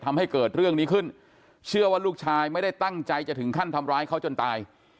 ทำให้เกิดเรื่องนี้ขึ้นเชื่อว่าลูกชายไม่ได้ตั้งใจจะถึงขั้นทำร้ายเขาจนตาย